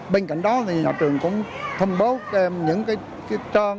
bên cạnh đó nhà trường cũng thông bố cho tụi em những tròn